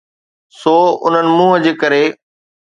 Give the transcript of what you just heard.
سو انهن منهن جي ڪري.